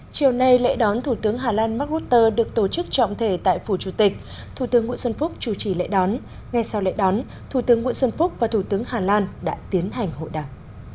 chiều nay lễ đón thủ tướng hà lan mark rutte được tổ chức trọng thể tại phủ chủ tịch thủ tướng nguyễn xuân phúc chủ trì lễ đón ngay sau lễ đón thủ tướng nguyễn xuân phúc và thủ tướng hà lan đã tiến hành hội đảng